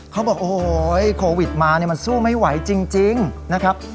เขาบอกโอ้โหโควิดมาเนี่ยมันสู้ไม่ไหวจริงนะครับ